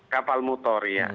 kapal motor ya